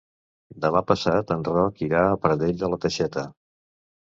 Demà passat en Roc irà a Pradell de la Teixeta.